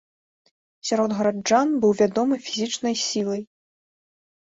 Сярод гараджан быў вядомы фізічнай сілай.